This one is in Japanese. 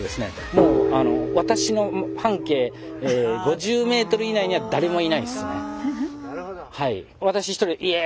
もう私の半径５０メートル以内には誰もいないですね。